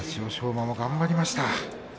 馬頑張りました。